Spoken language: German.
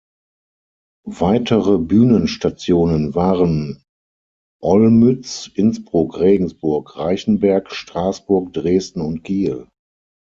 Weitere Bühnenstationen waren Olmütz, Innsbruck, Regensburg, Reichenberg, Straßburg, Dresden und Kiel.